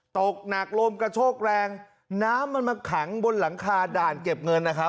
ตกหนักลมกระโชกแรงน้ำมันมาขังบนหลังคาด่านเก็บเงินนะครับ